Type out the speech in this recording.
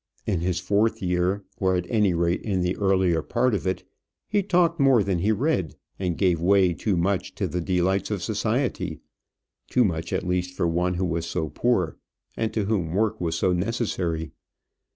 In his fourth year, or, at any rate, in the earlier part of it, he talked more than he read, and gave way too much to the delights of society too much, at least, for one who was so poor, and to whom work was so necessary.